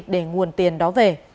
để nguồn tiền đó về